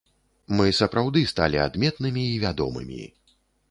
Мы сапраўды сталі адметнымі і вядомымі.